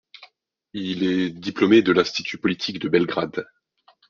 Il est diplômé de l'institut politique de Belgrade.